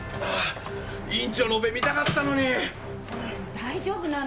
大丈夫なの？